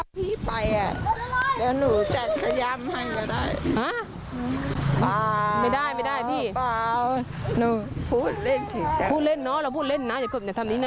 พูดเล่นนะเราพูดเล่นนะอย่าทำแบบนี้นะ